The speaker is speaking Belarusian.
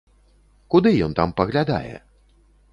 Куды ён там паглядае?